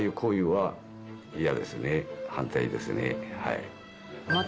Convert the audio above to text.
はい。